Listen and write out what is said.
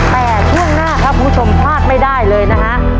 แปลเที่ยงหน้าครับผู้ชมพลาดไม่ได้เลยนะฮะ